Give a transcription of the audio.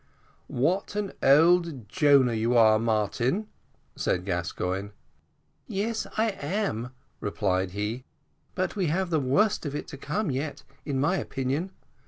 "What an old Jonah you are, Martin," said Gascoigne. "Yes, I am," replied he; "but we have the worst to come yet, in my opinion.